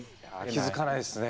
気づかないですね。